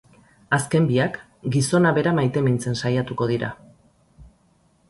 Azken biak gizona bera maitemintzen saiatuko dira.